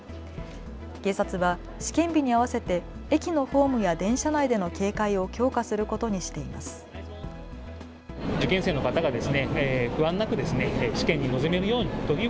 警察は試験日に合わせて駅のホームや電車内での警戒を強化することにしています。